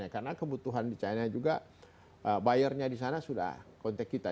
karena kebutuhan di china juga buyernya di sana sudah konteks kita